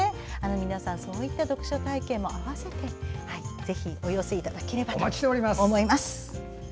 皆さんそういった読書体験も併せてぜひお寄せいただければと思います。